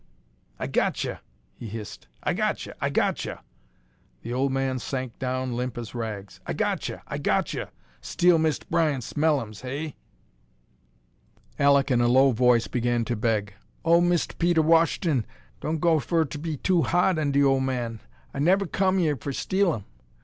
"I got che!" he hissed. "I got che! I got che!" The old man sank down as limp as rags. "I got che! I got che! Steal Mist' Bryant's mellums, hey?" Alek, in a low voice, began to beg. "Oh, Mist' Peter Wash'ton, don' go fer ter be too ha'd on er ole man! I nev' come yere fer ter steal 'em.